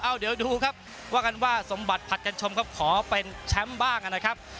เอาเดี๋ยวดูครับว่ากันว่าสมบัติผลัดกันชมครับขอเป็นแชมป์บ้างนะครับ